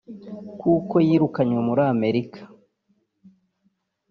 kuko yirukanwe muri Amerika